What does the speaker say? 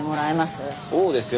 そうですよ。